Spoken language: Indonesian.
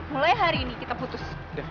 mulai hari ini kita putus